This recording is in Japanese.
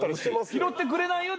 拾ってくれないよ